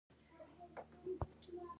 د سرو زرو کانونه هم هلته شته.